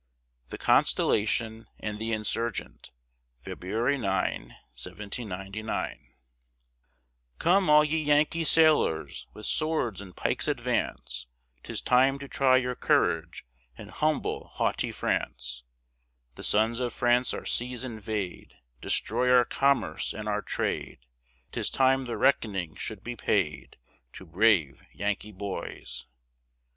THE CONSTELLATION AND THE INSURGENTE [February 9, 1799] Come all ye Yankee sailors, with swords and pikes advance, 'Tis time to try your courage and humble haughty France, The sons of France our seas invade, Destroy our commerce and our trade, 'Tis time the reck'ning should be paid! To brave Yankee boys.